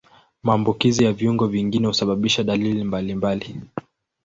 Maambukizi ya viungo vingine husababisha dalili mbalimbali.